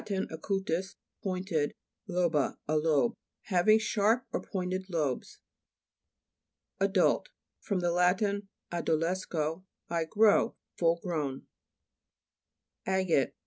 (acutus, pointed ; loba, a lobe.) Having sharp or pointed lobes. (Fig. 169, p. 88.) ADU'LT Fr. Lat. adolesco, I grow. Full grown. A'GATE fr.